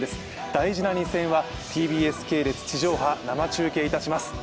大事な２戦はＴＢＳ系列地上派生中継いたします。